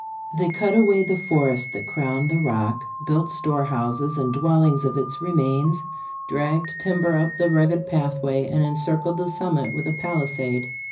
"They cut away the forest that crowned the, Rock, built storehouses and dwellings of its remains, dragged' timber up the: rugged pathway, and encircled the summit with a' palisade."